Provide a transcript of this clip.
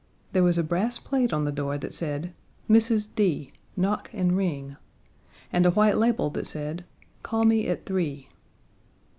There was a brass plate on the door that said MRS. D. KNOCK AND RING, and a white label that said CALL ME AT THREE.